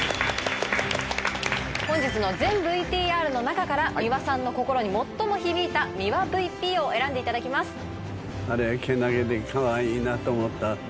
本日の全ＶＴＲの中から美輪さんの心に最も響いたミワＶＰを選んでいただきます。